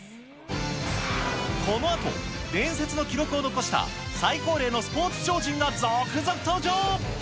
このあと、伝説の記録を残した最高齢のスポーツ超人が続々登場。